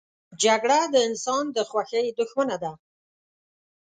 جګړه د انسان د خوښۍ دښمنه ده